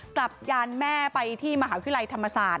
ยานแม่ไปที่มหาวิทยาลัยธรรมศาสตร์